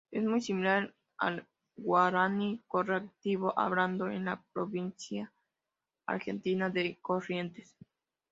Es muy similar al guaraní correntino, hablado en la provincia argentina de Corrientes.